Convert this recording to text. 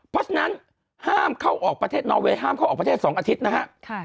เพราะฉะนั้นนอเวย์ห้ามเข้าออกประเทศ๒อาทิตย์นะฮะ